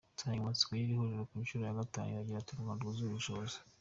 Insanganyamatsiko y’iri huriro ku nshuro ya gatanu, iragira iti “ Urungano rwuzuye ubushobozi.